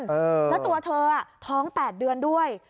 แล้วตัวเธอท้อง๘เดือนด้วย